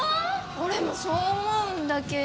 俺もそう思うんだけど。